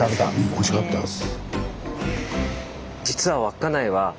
おいしかったです。